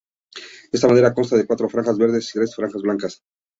Esta bandera consta de cuatro franjas verdes y tres franjas blancas.